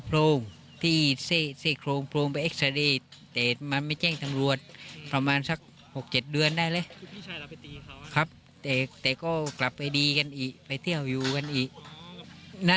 แล้วก็กลับไปดีกันอีกไปเที่ยวอยู่กันอีก